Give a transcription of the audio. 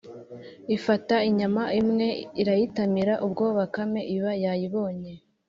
ifata inyama imwe irayitamira, ubwo bakame iba yayibonye,